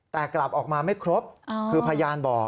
แต่กลับออกมาไม่ครบคือพยานบอก